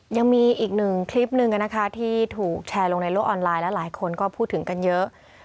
ยังมีอีกหนึ่งคลิปหนึ่งนะคะที่ถูกแชร์ลงในโลกออนไลน์และหลายคนก็พูดถึงกันเยอะ